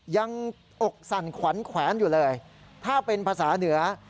อกสั่นขวัญแขวนอยู่เลยถ้าเป็นภาษาเหนือ